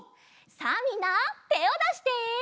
さあみんなてをだして！